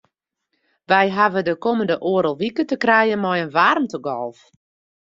Wy hawwe de kommende oardel wike te krijen mei in waarmtegolf.